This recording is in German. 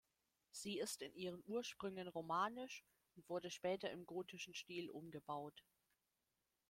Sie ist in ihren Ursprüngen romanisch und wurde später im gotischen Stil umgebaut.